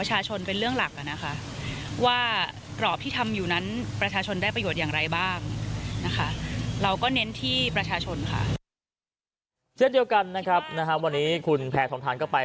เช่นเดียวกันนะครับวันนี้คุณแพทองทานก็ไป